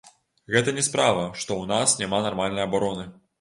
Гэта не справа, што ў нас няма нармальнай абароны.